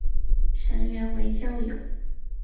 成员为教友。